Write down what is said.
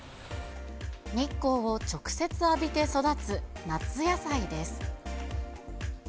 日光を直接浴びて育つ夏野菜です。